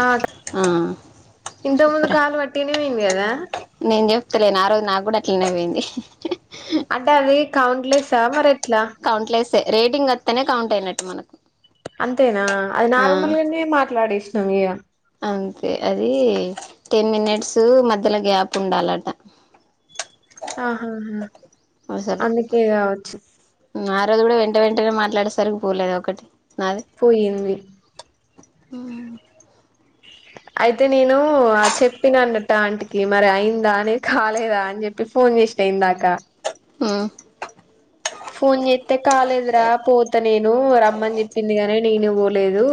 ఆ ఆ ఇంత ముందు చెప్పురా కాల్ వట్టిగానే వై గదా నేను చెప్తలేన ఆ రోజు నాకు కూడా అట్లనే పోయింది అంటే అవి కౌంట్లెస్స మర్ కౌంట్లెస్ స్సే రేటింగ్ వత్తనే కౌంట్ అయినట్టు మనకు అంతేనా అది ఆ నార్మల్గానే మాట్లాడేస్ నమిగా అంతే అది టెన్ మినిట్స్ మధ్యలో గ్యాప్ ఉండాలట ఆహాహా అసలు అందుకే కావచ్చు ఆ రోజు కూడా వెంట వెంటనే మాట్లాడేసరికి పోలేద ఒకటి పోయింది హు అయితే నేను ఆ చెప్పిన అన్నట్టు ఆంటికి మరి అయిందా నిద్ కాలేదా అని చెప్పి ఫోన్ చేసిన ఇందాక హు ఫోన్ చేస్తే కాలేదురా పోతా నేను రమ్మని చెప్పింది గాని నేనే పోలేదు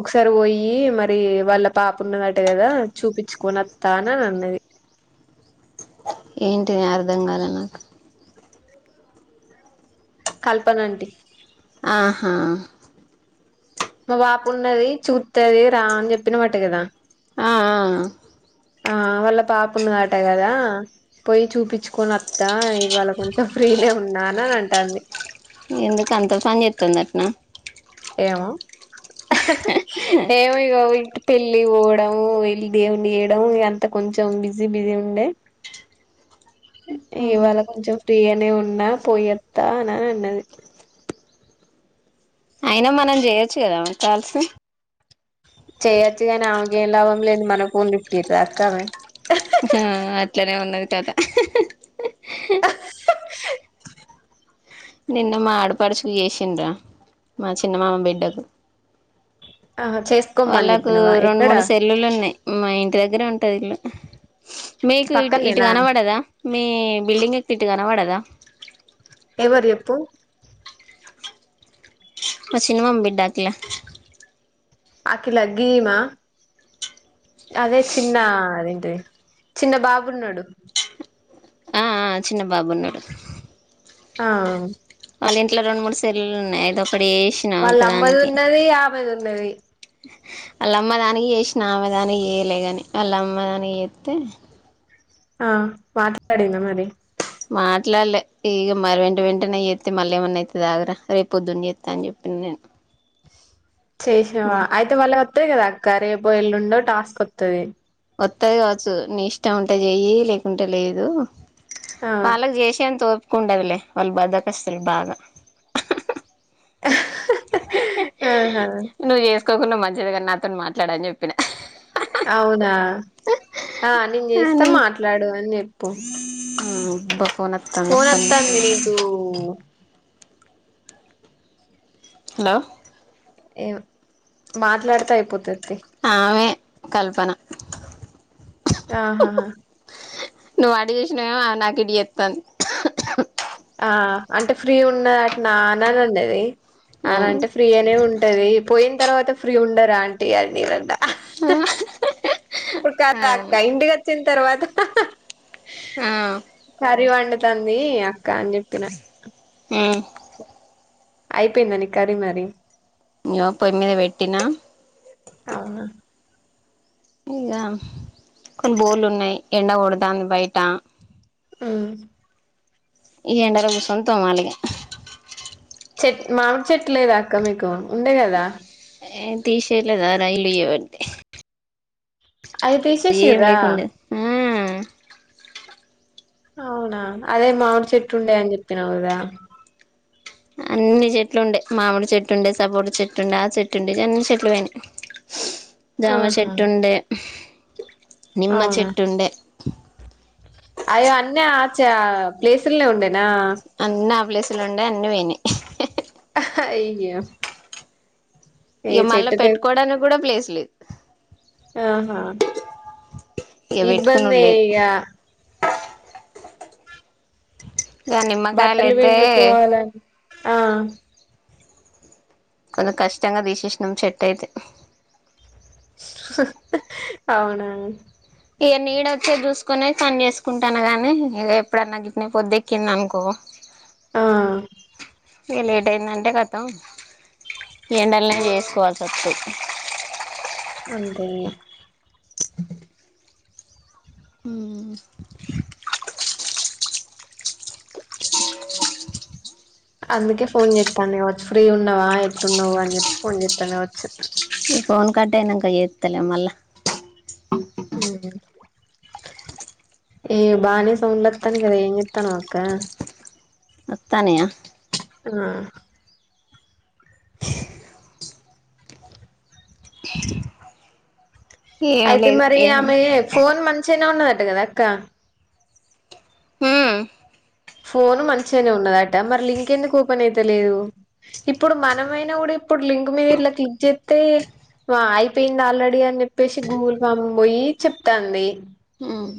ఒకసారి పోయి మరి వాళ్ళ పాప ఉన్నదట కదా చూపించుకొని అత్తా అనన్నది ఏంటిది అర్థం కాలే నాకు కల్పన ఆంటీ ఆహా మా పాపున్నది చూత్తది రా అని చెప్పిన వాటా కదా ఆ అ ఆ వాళ్ళ పాపున్నదట కదా పోయి చూపించుకొని వత్తా ఇవాళ కొంచెం ఫ్రీనే ఉన్నా అని అంటంది ఎందుకు అంత పని చెతుందట్న ఏమొ ఏమొ ఇగ పెళ్ళి పోవడం వెళ్ళి దేవుణ్ణు చేయడం ఇగ అంత కొంచెం బిజీ బిజీ ఉండే ఇవాళ కొంచెం ఫ్రీగానే ఉన్నా పోయేత్తా అని అన్నది అయినా మనం చెయొచ్చు కదా కాల్స్ చేయొచ్చు గాని ఆమేకు ఎంలాభం లేంది మన ఫోన్ లిప్ట్ చేస్తదా అక్క ఆ అట్లనే ఉన్నది కథ [unintelligible] నిన్న మా ఆడపడుచుకు చేసిండ్రా మా చిన్న మామ బిడ్డకు ఆహా చేసుకోమ్మని వాళ్ళకు చెప్పినవా రెండు ఎక్కడ మూడు సెల్లులు ఉన్నాయి మా ఇంటి దగ్గరే ఉంటది ఇల్లు [unintelligible] మీకు ఇ పక్కనేనా ఇటుకనపడదా మీ బిల్డింగ్ ఎకుతే ఇటుకనపడదా ఎవరు చెప్పు మా చిన్న మామ బిడ్డ అఖిల అఖిల గ్గిమా అదే చిన్న అదేంటి చిన్న బాబున్నాడు ఆ చిన్న బాబున్నాడు ఆ వాళ్ళ ఇంట్లో రెండు మూడు సెలులు ఉన్నాయి ఐతే ఒక అప్పుడు చేసిన వాళ్ళ అమ్మది ఒకదానికి ఉన్నది ఆమెది ఉన్నది వాళ్ళమ్మ దానికి చేసి ఆమె దానికి చేయలే కాని వాళ్ళ అమ్మదానికి చేస్తే ఆ మాట్లాడిందా మరి మాట్లాడలే ఇక మరి వెంట వెంటనే చేత్తే మళ్ళీ ఏమన్నా అయితదిరా రేపు పొద్దున్న చేస్తా అని చెప్పిన నేను చేసినవా మా అయితే వాళ్ళ అంతే కదా అక్క రేపు ఎల్లుండో టాస్క్ వస్తది వత్తది కావచ్చు నీ ఇష్టం ఉంటే చెయు లేకుంటే లేదు ఆ వాళ్ళకు చేసాను తో కుండవులే వాళ్లు బద్దకస్తులు బాగా హా హా ఆహా నువ్వు జేసు క్కకుండా మంచిదిగా నాతో మాట్లాడని చెప్పిన అవునా ఆ నేను చేస్తా అని మాట్లాడు అని చెప్ పోతా ఉబా ఫోన్ వస్తంది నీకు హలో ఏ మాట్లాడతా అయిపోతాదితి ఆమె కల్పన ఆహా హా వాడి చేసిన ఎమో ఆ నాతోని చెప్పడు ఆ అంటే ఫ్రీ ఉన్నది అటు నాన్ననిండది అలా ఉమ్ అంటే ఫ్రీ అనే ఉంటది పోయి తర్వాత ఫ్రీ ఉండరా ఆంటీ అనీ ఇప్పుడు ఆ కదా ఇంటికొచ్చినా తర్వాత హా హా ఆ కరి వండు తందీ కాని జెప్పిన హ్మ్మ్ అయిపోయిందండి కరీ మరీ నో పోయి మీద పెట్టిన అవునా ఇక కొన్ని బోర్లు ఉన్నాయి ఎండ కొడతాంది బయట హ్మ్మ్ ఈ ఎండలో కూర్చొని తోమాలిగ చెట్ మామిడి చెట్టులేదాక్క మీకు ఉండే కదా ఏం తీసేయ లేదు రాయలుయవంటే అవి తీశేషిరా ఆ అవునా అదే మామిడి చెట్టు ఉండే అని చెప్పినావు కదా అన్ని చెట్లు ఉండే మామిడి చెట్టు ఉండే సపోటా చెట్టు ఉండే ఆ చెట్టు ఉండే అన్ని చెట్లు పోయినాయి జామ ఆహా చెట్టు ఉండే నిమ్మ అవునా చెట్టుండే ఓక [inaudible] అయ్యో అన్ని ఆ చ ప్లేస్ లే ఉండే నా అన్ని ఆ ప్లేసులు ఉండే అన్ని పోయినాయ్ అయ్యో ఏ చెట్టు క్లూ [unintelligible] అహా ఇక పెట్టుకునుడు ఇబ్బందే లేదు ఇగా ఇక నిమ్మకాయలు బట్టలు అయితే పిండుకోవాలన్ అ కొంత కష్టంగా తీసేసినం చెట్ అయితే హ్ హ్ అవునా ఇగ నీడ వచ్చి చూసుకొనే పని చేసుకుంటున్నా గానీ ఇగ ఎప్పుడన్నా గిట్నే పొద్దు ఎక్కింది అనుకో అ ఇక లేట్ అయిందంటే కతం ఏండలనే చేసుకోవాల్సి వస్తది అంతే ఇంగా ఉమ్ అందుకే ఫోన్ చేతాంది కావచ్చు ఫ్రీ గున్నవా ఎట్లున్నావు అని చెప్పేసి ఫోన్ చేత్తాంది కావచ్చు ఈ ఫోన్ కట్ అయినంక చేత్తలే మళ్ళ హూ ఈ బానీసం ఉన్నట్టుంది కదా ఏం చేస్తున్నావ్ అక్క వత్తనే అ ఏం అయితే లేదు మరి ఏం ఆమె ఫోన్ మంచ్ న్న ఉన్న అట్టు కదా అక్క హూ ఫోన్ మంచిగానే ఉన్నదట మరి లింక్ ఎందుకు ఓపెన్ అయితేలేదు ఇప్పుడు మనమైనా కూడా ఇప్పుడు లింక్ మీద ఇట్లా క్లిక్ చేతే వా అయిపోయింది ఆల్రెడీ అని చెప్పేసి గూగుల్ ఫామ్ పోయి చెప్తాంది హ్మ్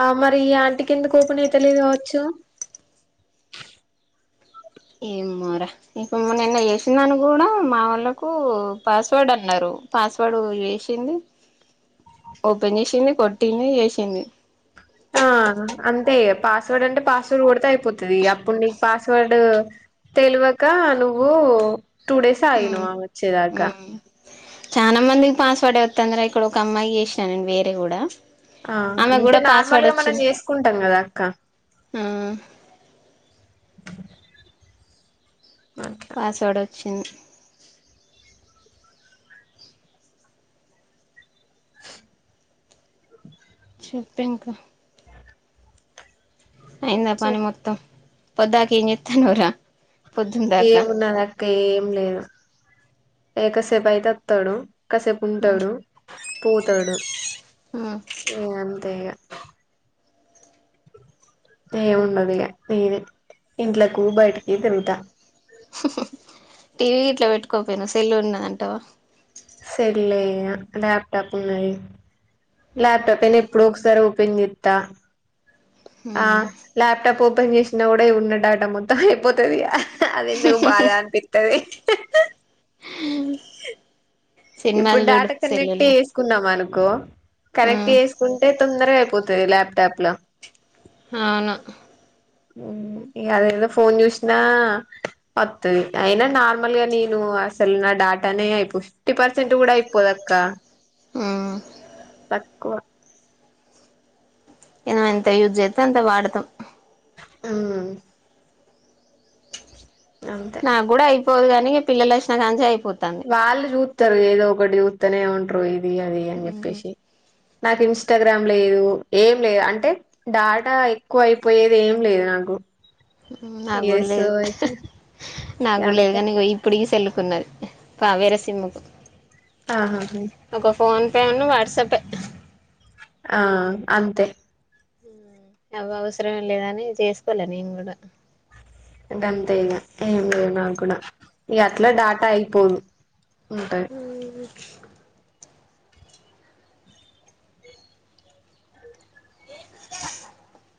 ఆ మరి ఈ ఆంటికి ఎందుకు ఓపెన్ అయితలేదు కావచ్చు ఇప్పు మొన్న ఏందో చేసింది అని కూడా మా వాళ్ళలకు పాస్వర్డ్ అన్నారు పాస్వర్డ్ ఏసింది ఓపెన్ చేసింది కొట్టింది ఏసింది ఆ అంతే పాస్వర్డ్ అంటే పాస్వర్డ్ కొడితే అయిపోతది అప్పుడు నీకు పాస్వర్డ్ తెల్వక నువ్వు టూ డేస్ అయిను హ్మ్ ఆమె వచ్చేదాకా నా మందికి పాస్వర్డ్ అవుతది రా ఇక్కడ ఒక అమ్మాయికి చేసినా నేను వేరే కూడా ఆ ఆమెకు అంటే కూడా నార్మల్ పాస్వర్డ్ గా మనం వచ్చింది చేేసుకుంటాం కదా అక్క ఆ అట్లా పాస్వర్డ్ చిన్ చెప్పింకా అయిందా పని మొత్తం పొద్దాక ఏం చేస్తున్నావ్ రా ఏమున్నాది అక్క ఏం లేదు ఏ కసేపాయితే ఓతడు కాసేపు ఉంటాడు పోతాడు ఏ అంతే ఇగా ఏముండదు ఇగా నేనే ఇంట్లకు బయటికి తిరుగుతా టీవీ గిట్లా పెట్టుకోపోయిను సెల్లు ఉన్నదంటావా ల్యాప్టాప్ ఉన్నాయి ల్యాప్టాప్ అయినా ఎప్పుడు ఒకసారి ఓపెన్ చేస్తా హ్మ్మ్ ల్యాప్టాప్ ఓపెన్ చేసినా కూడా ఉన్న డాటా మొత్తం అయిపోతది ఇగ అద ఎందుకు బాధ అనిపితది [unintelligible] [unintelligible] ఇప్పుడు సినిమాలు చూడు డేటా కనెక్ట్ సెల్లుల్నే చేసుకున్నాంనుకో కనెక్ట్ చేసుకుంటే తొందరగా పోతది లాప్టాప్ లో అవును హ్మ్ అదేదో ఫోన్ చూసినా వస్తుది అయినా నార్మల్గా నేను అసలు నా డాటానే అయిపో ఫిఫ్టీ పర్సెంట్ కూడా అయిపోద అక్క ఉ కూవ ఏన ఎంత యూజ్ చేస్తే అంత వాడతాం ఆమ్మ్మ్ నా గూడా అయిపోదుగా నీ పిల్లలోచినకంచి అయి వాళ్ళు చూస్తారు ఏదో ఒకటి చూస్త నే ఉంటారు ఇ ది అది అని చెప్పేసి నాకు ఇంస్టాగ్రామ్ గ్రామ్ లేదు ఏం లేదు అంటే డాటా ఎక్కువ అయిపోయేది ఏం లేదు నాకు నా ఇగ కూడా సో లేదు ఇగ నాకు కూడా లేదు అందుకే కానీ ఇగో ఇప్పుడు ఈ సెల్ కున్నది కావ్యారా సిమ్ముకు ఆహా హు ఫోన్పేను వాట్సాప్ ఆ అంతే అవి అవసరం లేదాని చేసుకోలే నేను గూడా ఇగ అంతేఇగా ఏం లేదు నాకు గూడా ఇ అట్లా డాటా అయిపోదు ఉంటది ఉ [inaudible]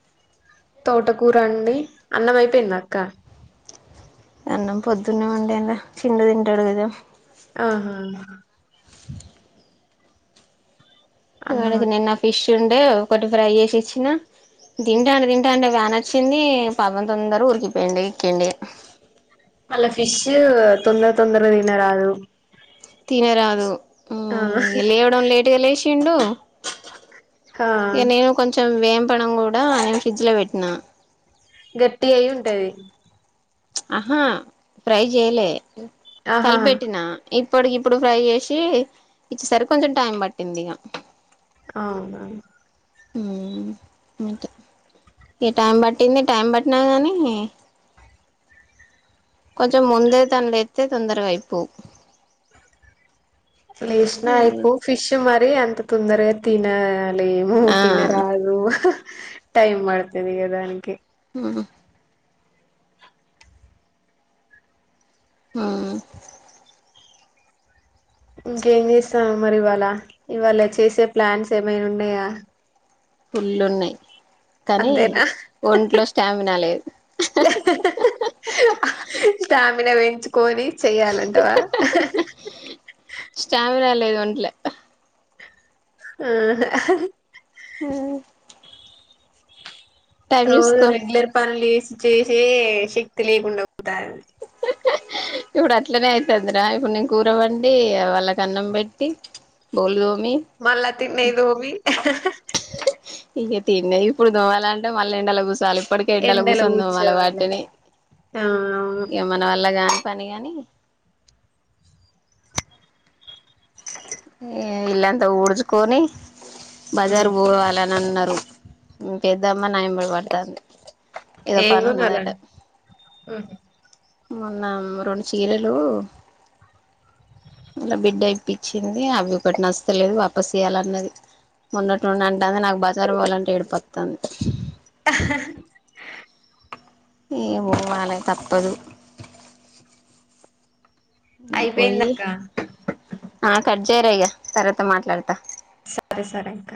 తోటకూర వండి అన్నం అయిపోయిందా అక్క అన్నం పొద్దున్నే వండిరా చిన్ను తింటాడు కదా ఆహా అన్నం కూడదు నిన్న ఫిష్ చుండే ఒకటి ఫ్రై చేసి ఇచ్చిన తింటా అంటే తింటా అంటే వ్యాన వచ్చింది పాపం తొందరగా ఉరికిపోయిడి ఎక్కిండే మల్ల ఫిష్ తొందర తొందరగా తినరాదు తినరాదు ఆ ఉమ్మ్ లేవడం లేటె లేస్ చిండు ఆ ఇగా నేను కొంచెం ఏంపడం కూడా నేను ఫ్రిజ్లో పెట్టిన గట్టి అయి ఉంటది ఆహా ఫ్రై చేయలే ఆహా కల్పిపెట్టిన ఇప్పటికి ఇప్పుడు ఫ్రై చేసి ఇచ్చేసరికి కొంచెం టైం పట్టింది ఇగా అవునా అ ఏ టైం పట్టింది టైం పట్టినా కానీ కొంచెం ముందే తనులే చ్చ తొందరగా అయిపోవు లేష్న అయిపోవు ఫిష్ మరి అంత తొందరగా తినా మూ ఆ తినరాదు టైం పడతది కదా అంతే మ్మ్ ఉమ్మ్ ఇంకేం చేస్తావ్ మరి ఇవాళ ఇవాళ చేసే ప్లాన్స్ ఏమైనా ఉనయా పుల్ లునయి కానీ అంతేనా ఒంట్లో స్టామినా లేదు అహహ్ ఆహ్ ఆహ్ ఆహ్ అహ్ చ్చు కోనీ చెయ్యాలంటవా ఆ అహ్ ఒంట్లే అహ్ ఆ అహహ్ హ వ్ [unintelligible] రోజు రెగ్ లర్ పనూల్ చెస్ చేసే శక్తి లేకుండా పోతాంది ఆ హ్ ఇప్పుడు అట్లనే అయితాంద్ రా ఇప్పుడు నేను కూరవండి వాళ్ళకి అన్నం పెట్టి బోలు తోమ్ మళ్ళ త్ తినే దోమీ అహ్హ్ ఇగే తిన్నయి ఇప్పుడు దోమాలంటే మళ్ళ ఎండల గుసాలిప్ ఇప్పటికే ఎండల ఎండలో కూసోన్ దోమాల కూర్చోవాలె వాటిని ఆ అవును ఇగ మన వల్ల గా పనిగాని ఇల్లంతా ఊడ్చుకొని బజార్ ఉమ్. పోవాల అన్నారు ఊ పెద్దమ్మ నయంబడి పడతాంది ఏదో పని ఏంగోణాల ఉన్నదట ఉమ్ మొన్న అమ్ రొండు చీరాలు వాళ్ళ బిడ్డ ఇయిప్పిచింది అవి ఒకటి నచ్ తలేదు వాపస్ ఇయాలన్నది మోన్నటుండి అంటాంది నాకు బజారు పోవాలంటే ఏడ్ పతాంది అహహ్ ఏమో వాల్ [unintelligible] తప్పదు పోయి అయిపెందక్క ఆ కడ్ చేయి రా ఇగ తర్వాత మాట్లాడతా సర్ సరే అక్క